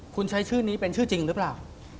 คุณใช้ชื่อนี้เป็นชื่อจริงหรือเปล่า